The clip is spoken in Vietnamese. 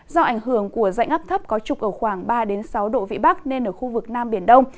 do ảnh hưởng của dạnh ấp thấp có trục ở khoảng ba sáu độ vĩ bắc nên ở khu vực nam biển đông